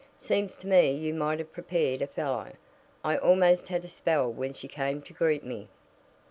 Seems to me you might have prepared a fellow. I almost had a spell when she came to greet me."